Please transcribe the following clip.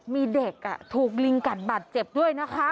มีเด็กถูกลิงกัดบาดเจ็บด้วยนะคะ